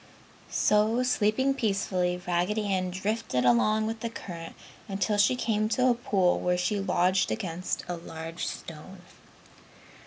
So, sleeping peacefully, Raggedy Ann drifted along with the current until she came to a pool where she lodged against a large stone.